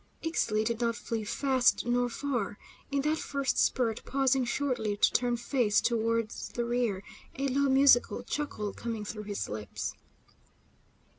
Ixtli did not flee fast nor far, in that first spurt, pausing shortly to turn face towards the rear, a low, musical chuckle coming through his lips.